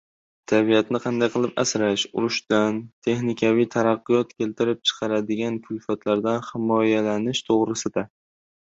Tabiatni qanday qilib asrash, urushlardan, texnikaviy taraqqiyot keltirib chiqaradigan kulfatlardan himoyalanish to‘g‘risida